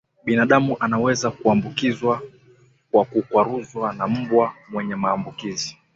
Binadamu anaweza kuambukizwa kwa kukwaruzwa na mbwa mwenye maambukizi